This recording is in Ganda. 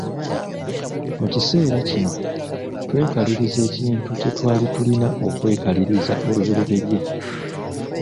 Mu kiseera kino twekaliriza ekintu kye twali tulina okwekaliriza oluberyeberye.